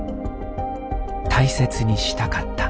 大切にしたかった。